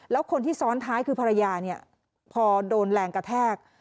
แล้วคนที่ซ้อนท้ายคือภรรยาเนี่ยพอโดนแรงกระแทก